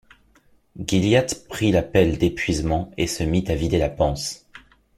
Gilliatt prit la pelle d’épuisement et se mit à vider la panse.